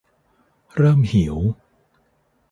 เริ่มหิว